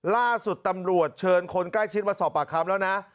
ล่าสุดตำรวจเชิญคนใกล้ชิดมาสอบปากคำแล้วนะ